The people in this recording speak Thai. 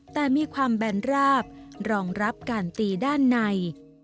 แต่มีความแบนราบรองรับการตีด้านใน